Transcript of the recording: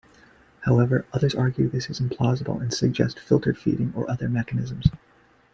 However, others argue this is implausible and suggest filter feeding or other mechanisms.